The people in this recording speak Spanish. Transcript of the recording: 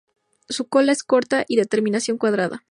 Su cola es corta y de terminación cuadrada.